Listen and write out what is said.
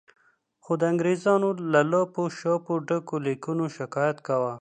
خو د انګریزانو له لاپو شاپو ډکو لیکونو شکایت کاوه.